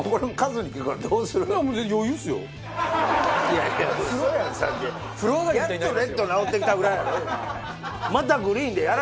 やっとレッド治ってきたぐらいやろ？